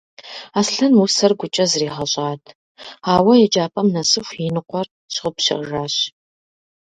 Аслъэн усэр гукӏэ зэригъэщӏат, ауэ еджапӏэм нэсыху и ныкъуэр щыгъупщэжащ.